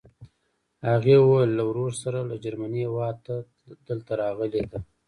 هغې ویل له ورور سره له جرمني هېواده دلته راغلې ده.